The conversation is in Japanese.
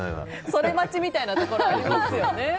それ待ちみたいなところありますよね。